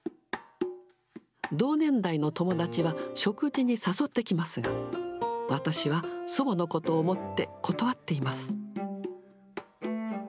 同年代の友達は食事に誘ってきますが、私は祖母のことを思って断っています。